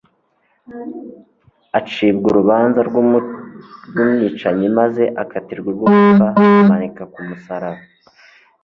acibwa urubanza rw'umwicanyi, maze akatirwa urwo gupfa amanikwa ku musaraba.